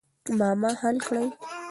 معما حل کړئ.